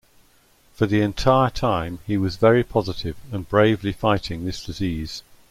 For the entire time, he was very positive and bravely fighting this disease.